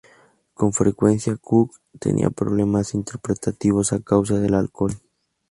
Con frecuencia Cook tenía problemas interpretativos a causa del alcohol.